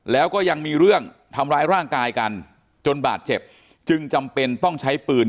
แล้วก็ยังมีเรื่องทำร้ายร่างกายกันจนบาดเจ็บจึงจำเป็นต้องใช้ปืน